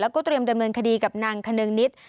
แล้วก็เตรียมดำเนินคดีกับนางคนึงนิด